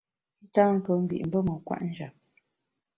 I tâ ntuo mbi’ mbe kwet njap.